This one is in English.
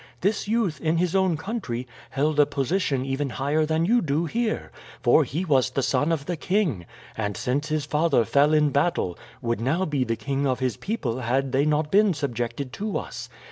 This youth, in his own country, held a position even higher than you do here, for he was the son of the king; and, since his father fell in battle, would now be the king of his people had they not been subjected to us.